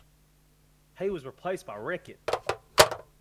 He was replaced by Rickitt.